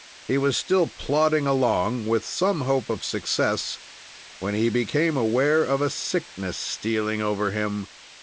He was still plodding along, with some hope of success, when he became aware of a sickness stealing over him.